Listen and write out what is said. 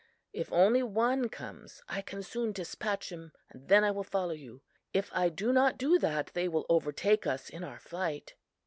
If only one comes, I can soon dispatch him and then I will follow you. If I do not do that, they will overtake us in our flight.